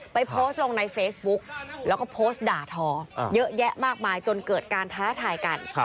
โพสต์ลงในเฟซบุ๊กแล้วก็โพสต์ด่าทอเยอะแยะมากมายจนเกิดการท้าทายกัน